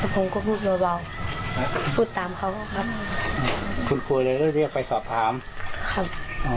ผมก็พูดเบาพูดตามเขาอะครับคุณครูเลยได้เรียกไปสอบถามครับ